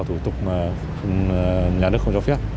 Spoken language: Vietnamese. thủ tục nhà nước không cho phép